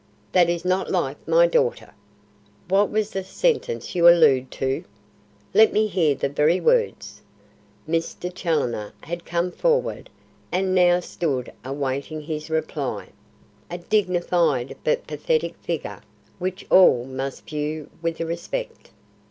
"That is not like my daughter. What was the sentence you allude to? Let me hear the very words." Mr. Challoner had come forward and now stood awaiting his reply, a dignified but pathetic figure, which all must view with respect.